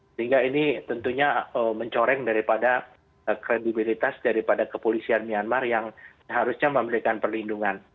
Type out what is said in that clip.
sehingga ini tentunya mencoreng daripada kredibilitas daripada kepolisian myanmar yang seharusnya memberikan perlindungan